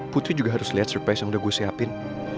putri juga harus lihat surprise yang udah gue siapin